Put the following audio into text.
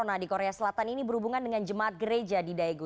nah di korea selatan ini berhubungan dengan jemaat gereja di daegu